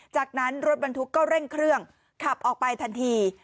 จากนั้นรถบรรทุกก็เร่งเครื่องขับออกไปทันที